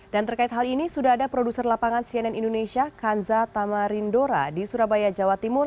dan terkait hal ini sudah ada produser lapangan cnn indonesia kanza tamarindora di surabaya jawa timur